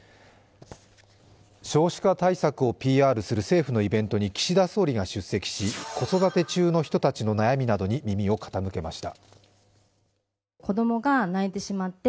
少子化対策をＰＲする政府のイベントに岸田総理が出席し、子育て中の人たちの悩みなどに耳を傾けました。